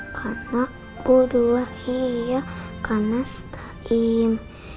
kana kuduah iya kanasta'im